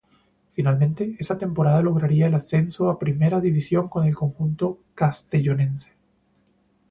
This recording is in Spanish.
Finalmente, esa temporada lograría el ascenso a Primera División con el conjunto castellonense.